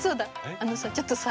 あのさちょっとさ